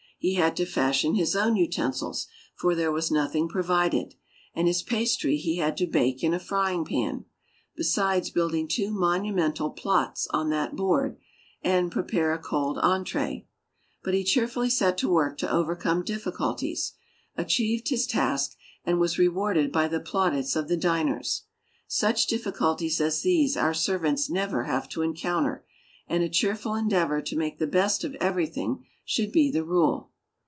He had to fashion his own utensils, for there was nothing provided, and his pastry he had to bake in a frying pan besides building two monumental plâts on that board and prepare a cold entrée. But he cheerfully set to work to overcome difficulties, achieved his task, and was rewarded by the plaudits of the diners. Such difficulties as these our servants never have to encounter, and a cheerful endeavor to make the best of everything should be the rule.